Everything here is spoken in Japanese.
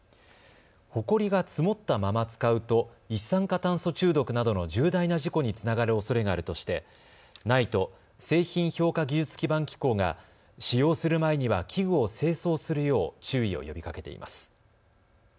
ほこりが積もったまま使うと一酸化炭素中毒などの重大な事故につながるおそれがあるとしてＮＩＴＥ・製品評価技術基盤機構が使用する前には器具を清掃するよう注意を呼びかけています。